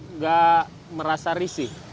nggak merasa risih